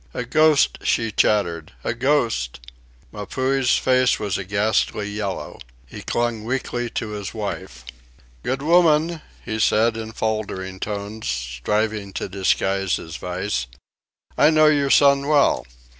"A ghost!" she chattered. "A ghost!" Mapuhi's face was a ghastly yellow. He clung weakly to his wife. "Good woman," he said in faltering tones, striving to disguise his vice, "I know your son well.